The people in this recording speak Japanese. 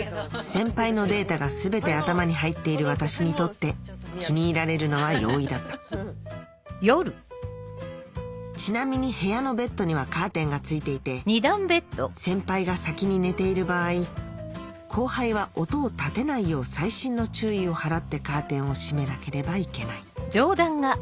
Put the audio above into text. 先輩のデータが全て頭に入っている私にとって気に入られるのは容易だったちなみに部屋のベッドにはカーテンが付いていて先輩が先に寝ている場合後輩は音を立てないよう細心の注意を払ってカーテンを閉めなければいけない